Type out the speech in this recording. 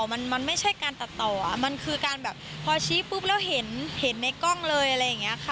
มันไม่ใช่การตัดต่อมันคือการแบบพอชี้ปุ๊บแล้วเห็นในกล้องเลยอะไรอย่างนี้ค่ะ